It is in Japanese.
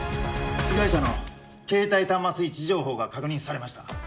被害者の携帯端末位置情報が確認されました。